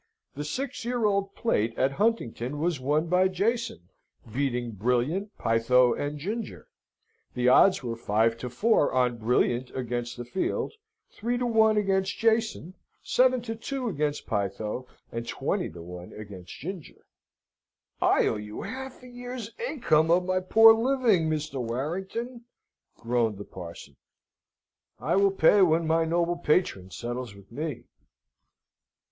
"The Six Year Old Plate at Huntingdon was won by Jason, beating Brilliant, Pytho, and Ginger. The odds were five to four on Brilliant against the field, three to one against Jason, seven to two against Pytho, and twenty to one against Ginger." "I owe you a half year's income of my poor living, Mr. Warrington," groaned the parson. "I will pay when my noble patron settles with me."